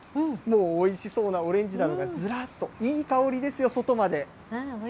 もうおいしそうなオレンジなどがずらっと、いい香りですよ、外まで。